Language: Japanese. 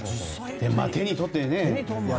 手に取ってね。